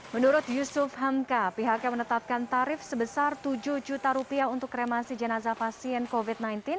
menurut yusuf hamka pihaknya menetapkan tarif sebesar tujuh juta rupiah untuk kremasi jenazah pasien covid sembilan belas